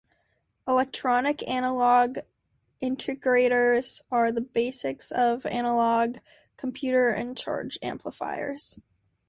Electronic analogue integrators are the basis of analog computers and charge amplifiers.